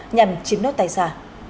nhằm chiếm nốt tay xa